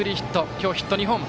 今日、ヒット２本。